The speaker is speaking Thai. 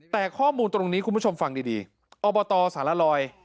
แต่ข้อมูลตรงนี้คุณผู้ชมฟังดีอบตสารลอย